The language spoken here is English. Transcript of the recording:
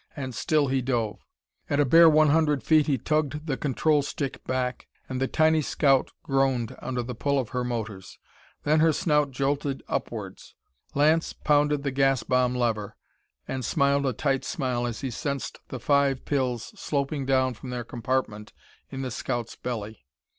And still he dove. At a bare one hundred feet he tugged the control stick back, and the tiny scout groaned under the pull of her motors. Then her snout jolted upwards. Lance pounded the gas bomb lever, and smiled a tight smile as he sensed the five pills sloping down from their compartment in the scout's belly.